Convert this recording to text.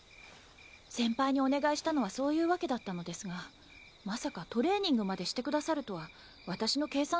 先輩にお願いしたのはそういうわけだったのですがまさかトレーニングまでしてくださるとはわたしの計算違いでした。